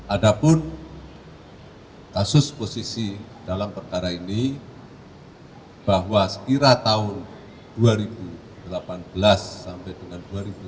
ada pun kasus posisi dalam perkara ini bahwa sekira tahun dua ribu delapan belas sampai dengan dua ribu sembilan belas